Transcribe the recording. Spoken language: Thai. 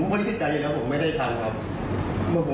ผมบริษัทใจอยู่แล้วผมไม่ได้กันครับ